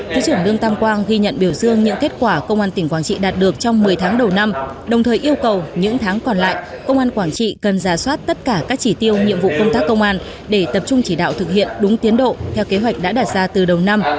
thứ trưởng lương tam quang ghi nhận biểu dương những kết quả công an tỉnh quảng trị đạt được trong một mươi tháng đầu năm đồng thời yêu cầu những tháng còn lại công an quảng trị cần giả soát tất cả các chỉ tiêu nhiệm vụ công tác công an để tập trung chỉ đạo thực hiện đúng tiến độ theo kế hoạch đã đạt ra từ đầu năm